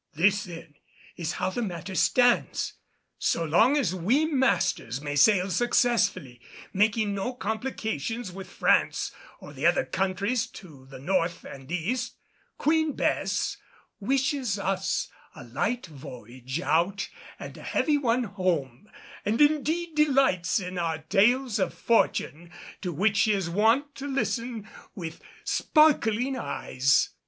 This then is how the matter stands; so long as we masters may sail successfully, making no complications with France or the other countries to the north and east, Queen Bess wishes us a light voyage out and a heavy one home, and indeed delights in our tales of fortune, to which she is wont to listen with sparkling eyes.